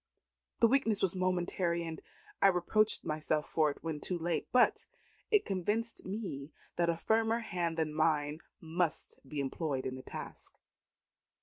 The weakness was momentary, and I reproached myself for it when too late. But it convinced me that a firmer hand than mine must be employed in the task."